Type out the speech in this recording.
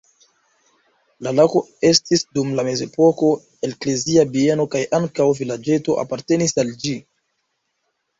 La loko estis dum la mezepoko eklezia bieno kaj ankaŭ vilaĝeto apartenis al ĝi.